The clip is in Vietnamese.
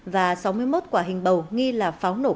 và sáu mươi một quả hình bầu nghi là pháo nổ